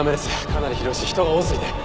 かなり広いし人が多すぎて。